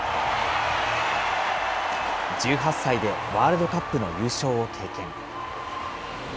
１８歳でワールドカップの優勝を経験。